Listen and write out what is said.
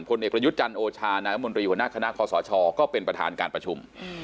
เอกประยุทธ์จันทร์โอชานายมนตรีหัวหน้าคณะคอสชก็เป็นประธานการประชุม